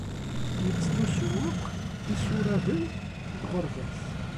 Nettlusu akk isuraden deg uɣerbaz.